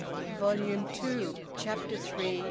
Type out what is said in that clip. VOLUME TWO, CHAPTER THREE.